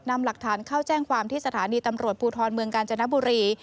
นำหลักฐานเข้าแจ้งความที่สถานีตำรวจภูทรเมืองกาญจนบุรี